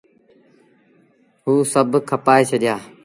هئو سڀ کپآئي ڇڏيآ۔